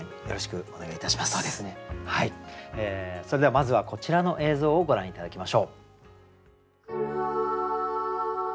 それではまずはこちらの映像をご覧頂きましょう。